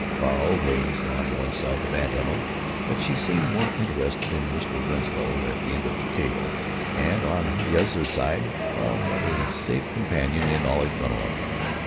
Carl was at one side of Aunt Emma, but she seemed more interested in Mr. Winslow, at the end of the table; and on his other side Carl had a safe companion in Olive Dunleavy.